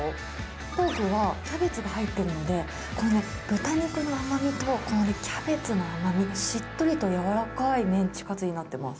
ポークはキャベツが入っているので、この豚肉の甘みと、このね、キャベツの甘み、しっとりとやわらかいメンチカツになっています。